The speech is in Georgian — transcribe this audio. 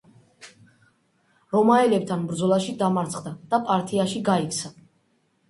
რომაელებთან ბრძოლაში დამარცხდა და პართიაში გაიქცა.